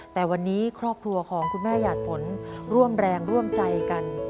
แต่วันนี้ครอบครัวของคุณแม่หยาดฝนร่วมแรงร่วมใจกัน